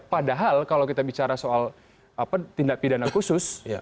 padahal kalau kita bicara soal tindak pidana khusus